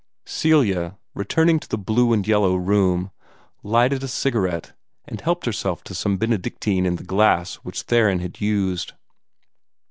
Celia, returning to the blue and yellow room, lighted a cigarette and helped herself to some Benedictine in the glass which Theron had used.